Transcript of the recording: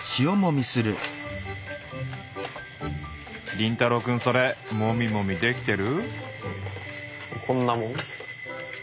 凛太郎くんそれもみもみできてる？